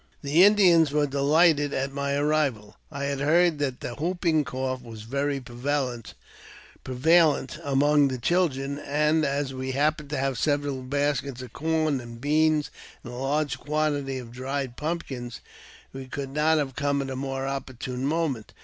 The Indians were delighted at my arrival. I had heard that the whooping cough was very prevalent among the chil dren, and, as we happened to have several bushels of corn,, and beans, and a large quantity of dried pumpkins, we could not have come at a more opportune moment.